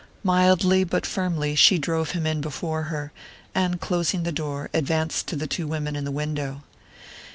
Mildly but firmly she drove him in before her, and closing the door, advanced to the two women in the window.